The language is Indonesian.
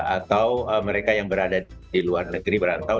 atau mereka yang berada di luar negeri berantau